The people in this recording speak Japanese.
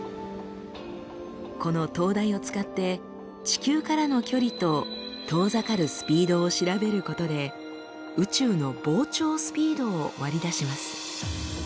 この灯台を使って地球からの距離と遠ざかるスピードを調べることで宇宙の膨張スピードを割り出します。